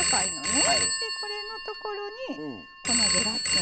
これのところにこのゼラチン。